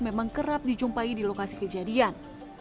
memang kerap dijumpai di lokasi kejadian